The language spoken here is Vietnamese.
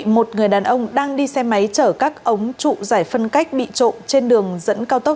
một người đàn ông đang đi xe máy chở các ống trụ giải phân cách bị trộn trên đường dẫn cao tốc